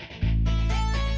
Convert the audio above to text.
aku mau ke rumah